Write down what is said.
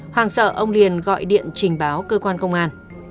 hoàng sợ ông liền gọi điện trình báo cơ quan công an